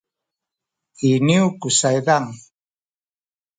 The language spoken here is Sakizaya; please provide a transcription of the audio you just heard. iniyu ku saydan